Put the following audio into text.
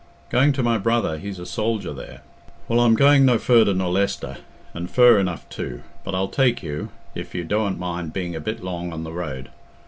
"Going to my brother—he's a soldier there." "Well, I'm going no furder nor Leicester—and fur enough too—but I'll take you, if you dooant mind being a bit long on the road.